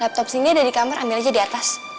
laptop sini ada di kamar ambil aja di atas